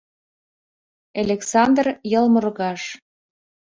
Элександр йылморгаж...